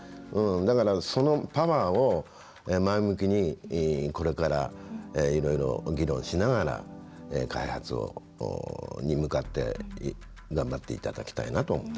だから、そのパワーを前向きにこれから、いろいろ議論しながら開発に向かって、頑張っていただきたいなと思ってますけど。